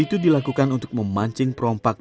itu dilakukan untuk memancing perompak